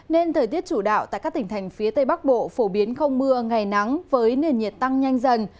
nên thời tiết chủ đạo tại các tỉnh thành phía tây bắc bộ phổ biến không mưa ngày nắng với nền nhiệt tăng nhanh dần